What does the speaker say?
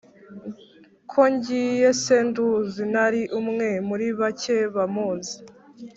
Ko ngiye se nduzi Nari umwe muri bake Bamuzi